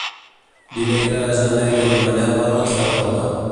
Dimecres na Neida i en Manel van a la Selva del Camp.